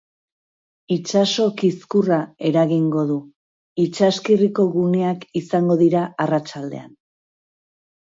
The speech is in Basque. Itsaso kizkurra eragingo du, itsaskirriko guneak izango dira arratsaldean.